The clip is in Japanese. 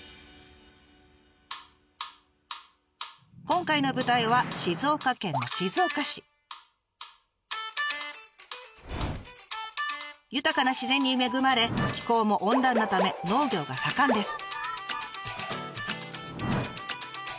今回の舞台は豊かな自然に恵まれ気候も温暖なため農業が盛んです。